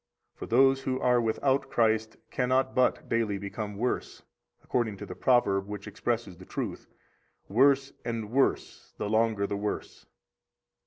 69 For those who are without Christ cannot but daily become worse, according to the proverb which expresses the truth, "Worse and worse the longer, the worse."